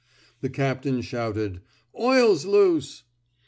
The captain shouted, Oil^s loose!'